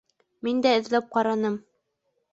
Мин дә эҙләп ҡараным.